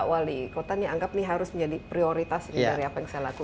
wali kota ini anggap ini harus menjadi prioritas dari apa yang saya lakukan